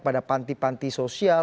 pada panti panti sosial